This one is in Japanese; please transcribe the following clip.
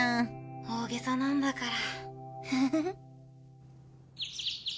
大げさなんだから。